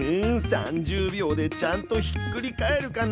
３０秒でちゃんとひっくり返るかな？